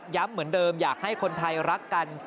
เหมือนเดิมอยากให้คนไทยรักกัน